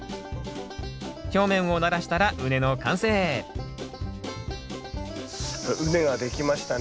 表面をならしたら畝の完成畝が出来ましたね。